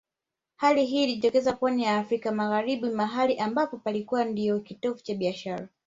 Hali hii ilijitokeza pwani ya Afrika Magharibi mahali ambapo palikuwa ndio kitovu cha biashara